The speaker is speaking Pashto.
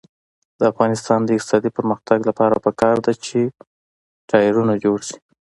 د افغانستان د اقتصادي پرمختګ لپاره پکار ده چې ټایرونه جوړ شي.